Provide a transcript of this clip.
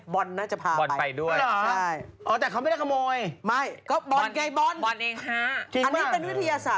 บอลน่ะจะพาไปใช่มั้ยล่ะงั้นหรือ